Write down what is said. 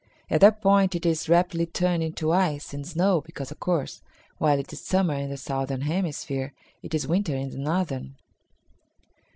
At that point it is rapidly turned into ice and snow, because, of course, while it is Summer in the southern hemisphere it is Winter in the northern."